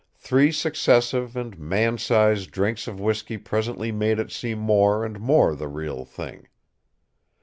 Three successive and man size drinks of whisky presently made it seem more and more the real thing.